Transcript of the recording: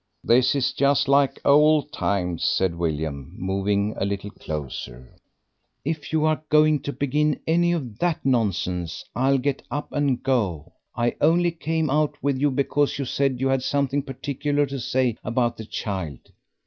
"This is just like old times," said William, moving a little closer. "If you are going to begin any of that nonsense I'll get up and go. I only came out with you because you said you had something particular to say about the child."